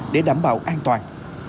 để đảm bảo an toàn